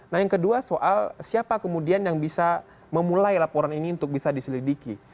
nah yang kedua soal siapa kemudian yang bisa memulai laporan ini untuk bisa diselidiki